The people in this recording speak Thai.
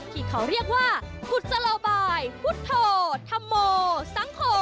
ที่เขาเรียกว่ากุษฎีภุตโทธรรมศามโฑ